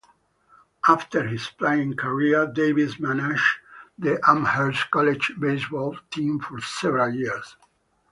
After his playing career, Davis managed the Amherst College baseball team for several years.